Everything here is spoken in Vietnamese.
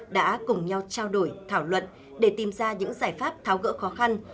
đã cùng nhau trao đổi thảo luận để tìm ra những giải pháp tháo gỡ khó khăn